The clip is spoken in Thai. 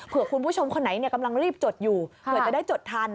คุณผู้ชมคนไหนกำลังรีบจดอยู่เผื่อจะได้จดทัน